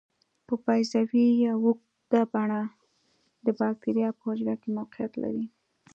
په بیضوي یا اوږده بڼه د باکتریا په حجره کې موقعیت لري.